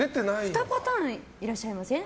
２パターンいらっしゃいません？